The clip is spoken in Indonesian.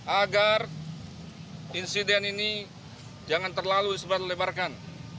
agar insiden ini jangan terlalu disebar lebarkan